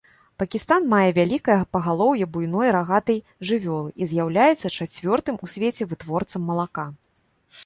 Пакістан мае вялікае пагалоўе буйной рагатай жывёлы і з'яўляецца чацвёртым у свеце вытворцам малака.